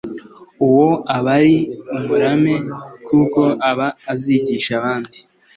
uwo aba ari umurame kuko aba azigisha abandi